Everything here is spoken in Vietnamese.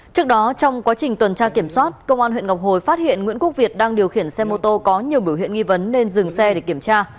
trước đó trong quá trình tuần tra kiểm soát công an huyện ngọc hồi phát hiện nguyễn quốc việt đang điều khiển xe mô tô có nhiều biểu hiện nghi vấn nên dừng xe để kiểm tra